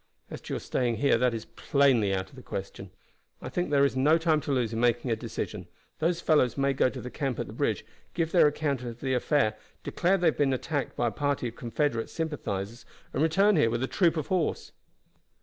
As to your staying here that is plainly out of the question. I think that there is no time to lose in making a decision. Those fellows may go to the camp at the bridge, give their account of the affair, declare they have been attacked by a party of Confederate sympathizers, and return here with a troop of horse."